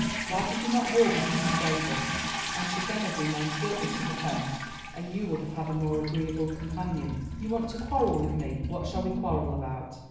Why did you not walk with Mr. Davies? I should then have remained guiltless of offence, and you would have had a more agreeable companion. You want to quarrel with me; what shall we quarrel about?